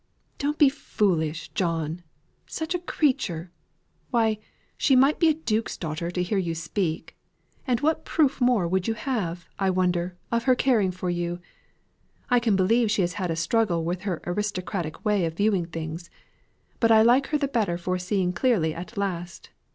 "Don't be foolish, John. Such a creature! Why, she might be a duke's daughter, to hear you speak. And what proof more would you have, I wonder, of her caring for you? I can believe she has had a struggle with her aristocratic way of viewing things; but I like her the better for seeing clearly at last.